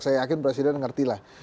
saya yakin presiden ngerti lah